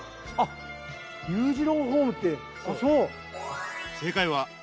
裕次郎ホームってそう。